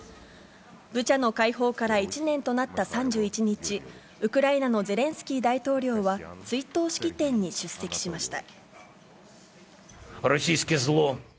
ブチャの解放から１年となった３１日、ウクライナのゼレンスキー大統領は、追悼式典に出席しました。